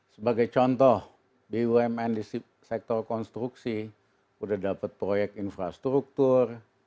sebagai contoh bumn di sektor konstruksi sudah dapat proyek infrastruktur